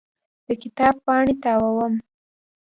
د کتاب پاڼې تاووم.